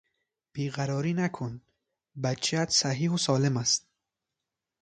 بیقراری نکن، بچهات صحیح و سالم است!